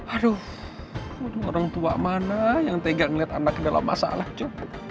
aduh orang tua mana yang tega ngeliat anaknya dalam masalah jho